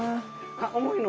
あ重いの。